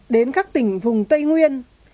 đến các tỉnh vùng tây nguyên